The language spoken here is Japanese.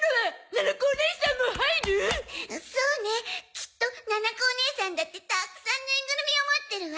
きっとななこお姉さんだってたくさんぬいぐるみを持ってるわ。